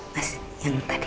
mas yang tadi